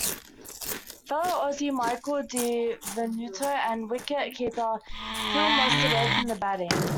Fellow Aussie Michael Di Venuto and wicket-keeper Phil Mustard opened the batting.